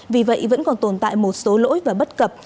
vì vậy vẫn còn tồn tại một số lỗi và bất cập